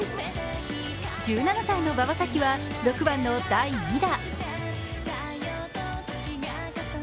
１７歳の馬場咲希は６番の第２打。